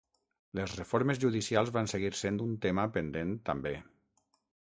Les reformes judicials van seguir sent un tema pendent també.